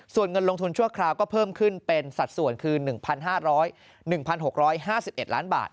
ส่วนเงินลงทุนชั่วคราวก็เพิ่มขึ้นเป็นสัดส่วนคือ๑๕๐๑๖๕๑ล้านบาท